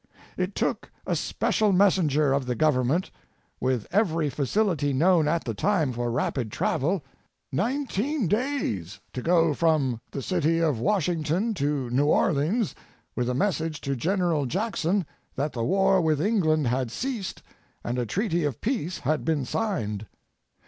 It took a special messenger of the Government, with every facility known at the time for rapid travel, nineteen days to go from the city of Washington to New Orleans with a message to General Jackson that the war with England had ceased and a treaty of peace had been signed.